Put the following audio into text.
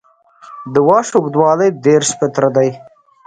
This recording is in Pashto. د واش اوږدوالی دېرش متره دی